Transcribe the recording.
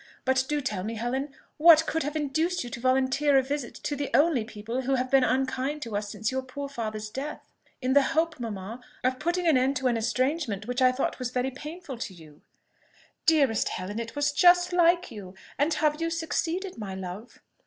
But do tell me, Helen, what could have induced you to volunteer a visit to the only people who have been unkind to us since your poor father's death?" "In the hope, mamma, of putting an end to an estrangement which I thought was very painful to you." "Dearest Helen! it was just like you! And have you succeeded, my love?"